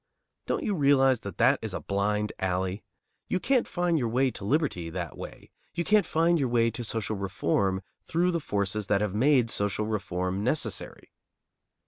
Don't you realize that that is a blind alley? You can't find your way to liberty that way. You can't find your way to social reform through the forces that have made social reform necessary.